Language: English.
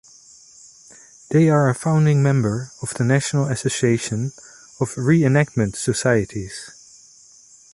They are a founding member of the National Association of Re-enactment Societies.